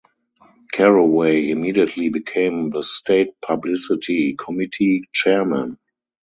Carraway immediately became the State Publicity Committee Chairman.